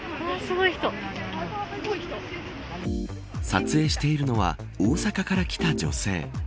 撮影しているのは大阪から来た女性。